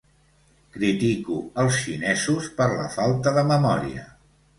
Critico els xinesos per la falta de memòria.